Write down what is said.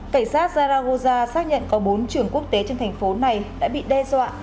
cảnh sát zaragoza xác nhận có bốn trường quốc tế trên thành phố này đã bị đe dọa